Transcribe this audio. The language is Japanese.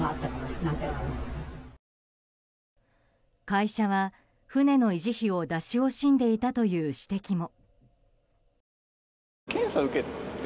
会社は、船の維持費を出し惜しんでいたという指摘も。